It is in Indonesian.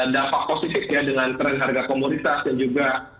dampak positif ya dengan trend harga komunitas dan juga